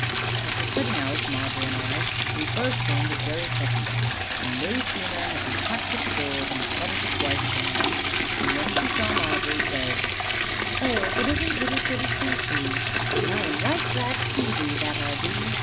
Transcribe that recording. "After setting out, Margery and I, we first came to Jerry Hodge's; and no sooner had we tapped at the door than the cottager's wife came out, and when she saw Margery, said, 'Oh, if it isn't little Goody Two Shoes; and I am right glad to see thee, that I be!